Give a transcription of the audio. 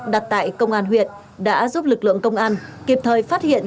đặt tại công an huyện đã giúp lực lượng công an kịp thời phát hiện